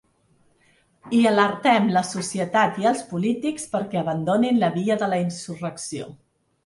I alertem la societat i els polítics perquè abandonin la via de la insurrecció.